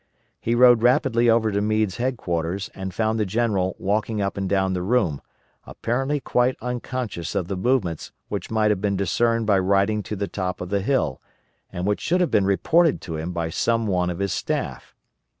He rode rapidly over to Meade's headquarters and found the general walking up and down the room, apparently quite unconscious of the movements which might have been discerned by riding to the top of the hill, and which should have been reported to him by some one of his staff.